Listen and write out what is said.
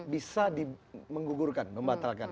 bisa di menggugurkan membatalkan